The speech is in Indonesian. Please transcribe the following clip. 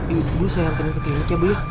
ibu saya hantar ke klinik ya bu ya